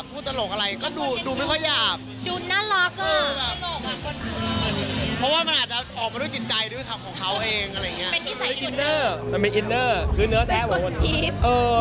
ผมก็บอกอย่างหนึ่งว่าเขาเนี่ยเป็นคนเดียวที่